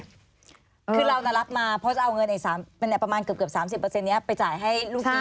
คือเรารับมาเพราะจะเอาเงินประมาณเกือบ๓๐นี้ไปจ่ายให้ลูกหนี้